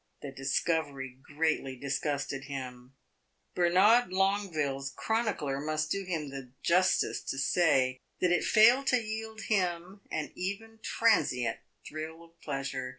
The discovery greatly disgusted him; Bernard Longueville's chronicler must do him the justice to say that it failed to yield him an even transient thrill of pleasure.